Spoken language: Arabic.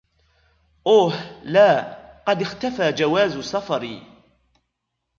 أوه، لا! قد اختفى جواز سفري.